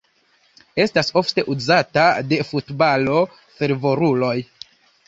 Estas ofte uzata de futbalo-fervoruloj.